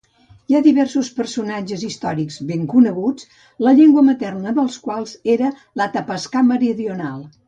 Hi ha diversos personatges històrics ben coneguts la llengua materna dels quals era atapascà meridional.